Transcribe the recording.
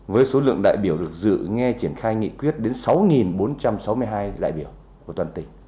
với số lượng đại biểu được dự nghe triển khai nghị quyết đến sáu bốn trăm sáu mươi hai đại biểu của toàn tỉnh